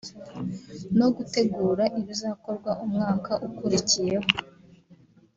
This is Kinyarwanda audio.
no gutegura ibizakorwa umwaka ukurikiyeho